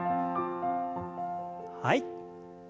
はい。